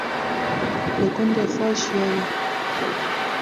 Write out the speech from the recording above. li gundê xwe jiyaye